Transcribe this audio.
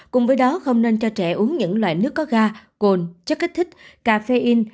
cùng với đó không nên cho trẻ uống những loại nước có ga cồn chất kích thích cà phê in